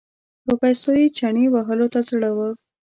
په پیسو یې چنې وهلو ته زړه و.